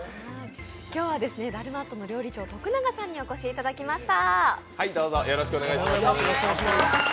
今日はダルマットの料理長、徳永さんにお越しいただきました。